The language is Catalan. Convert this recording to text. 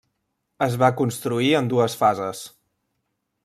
Es va construir en dues fases.